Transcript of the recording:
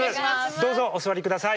どうぞお座りください。